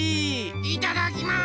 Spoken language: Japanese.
いただきます！